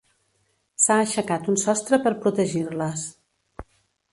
S'ha aixecat un sostre per protegir-les.